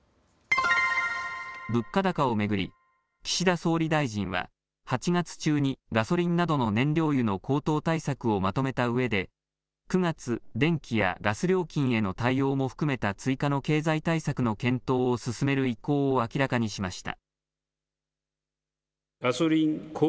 物価高を巡り、岸田総理大臣は８月中にガソリンなどの燃料油の高騰対策をまとめたうえで９月電気やガス料金への対応も含めた追加の経済対策の検討を進める意向を明らかにしました。